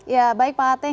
ya baik pak ate